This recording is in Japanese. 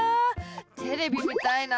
テレビ見たいな。